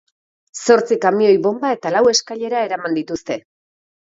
Zortzi kamioi-bonba eta lau eskailera eraman dituzte.